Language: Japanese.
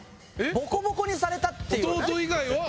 ボコボコにされたって。